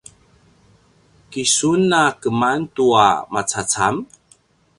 ki sun a keman tua macacam?